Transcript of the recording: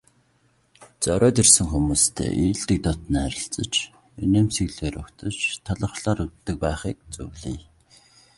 Зориод ирсэн хүмүүстэй эелдэг дотно харилцаж, инээмсэглэлээр угтаж, талархлаар үддэг байхыг зөвлөе.